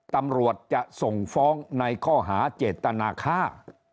ตำรวจจะส่งฟ้องในข้อหาเจตนาค่า